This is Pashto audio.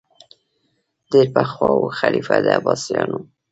ډېر پخوا وو خلیفه د عباسیانو